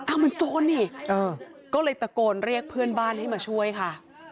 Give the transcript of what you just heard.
มันโจรนี่ก็เลยตะโกนเรียกเพื่อนบ้านให้มาช่วยค่ะ